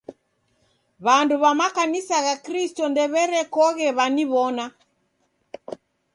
W'andu w'a makanisa gha Kristo ndew'erekoghe w'aniw'ona.